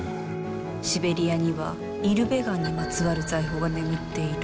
シベリアにはイルベガンにまつわる財宝が眠っている。